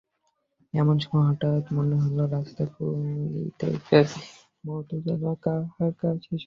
এমন সময় হঠাৎ মনে হইল, রাস্তায় কালীপদর মতো যেন কাহার কাশি শোনা গেল।